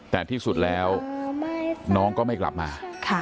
แต่ที่สุดแล้วน้องก็ไม่กลับมา